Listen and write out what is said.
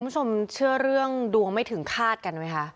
คุณผู้ชมเชื่อเรื่องดวงไม่ถึงคาดกันไหมคะ